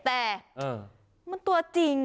แต่มันตัวจริง